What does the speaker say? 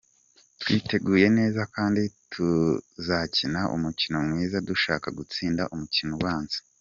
Twiteguye neza kandi tuzakina umukino mwiza dushaka gutsinda umukino ubanza.